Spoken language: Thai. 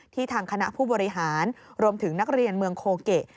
ทางคณะผู้บริหารรวมถึงนักเรียนเมืองโคเกะ